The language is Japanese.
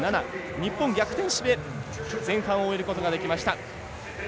日本が逆転して前半を終えることができました。